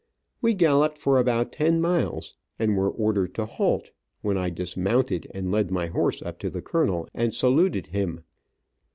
We galloped for about ten miles, and were ordered to halt, when I dismounted and led my horse up to the colonel, and saluted him.